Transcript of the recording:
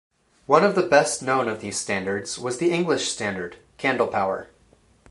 One of the best-known of these standards was the English standard: candlepower.